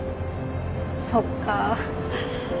そっか。